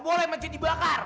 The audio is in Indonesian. boleh masjid dibakar